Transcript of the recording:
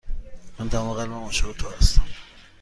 من تمام قلبم عاشق تو هستم.